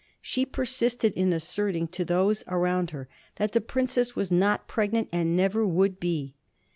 She persisted in asserting to those around her that the princess was not pregnant and never would be.